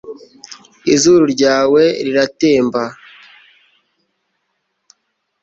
izuru ryawe riratemba